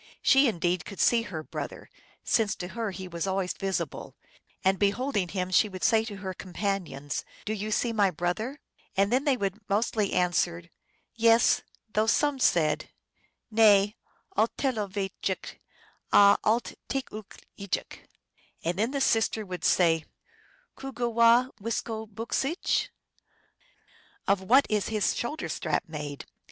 She indeed could see her brother, since to her he was always visible, and be holding him she would say to her companions, " Do you see my brother ?" And then they would mostly answer, " Yes, * though some said, " Nay," alt telo vejich, aa alttelooejik. And then the sister would say, "Cogoowa* wiskoboo Jcsich ?"" Of what is his shoul der strap made?"